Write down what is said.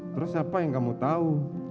terus siapa yang kamu tahu